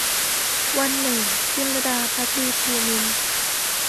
วันหนึ่ง - จุลลดา ภักดีภูมินทร์